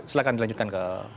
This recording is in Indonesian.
silahkan dilanjutkan ke